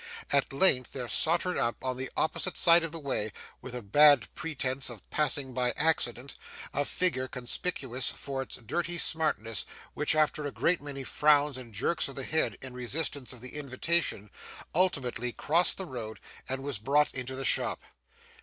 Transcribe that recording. At length there sauntered up, on the opposite side of the way with a bad pretense of passing by accident a figure conspicuous for its dirty smartness, which after a great many frowns and jerks of the head, in resistance of the invitation, ultimately crossed the road and was brought into the shop.